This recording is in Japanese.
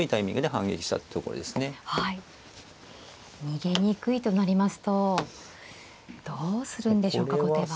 逃げにくいとなりますとどうするんでしょうか後手は。